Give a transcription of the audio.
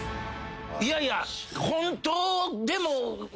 いやいや本当でも。